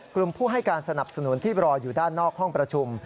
กลุ่มผู้ให้การสนับสนุนที่รออยู่ด้านนอกห้องประชุม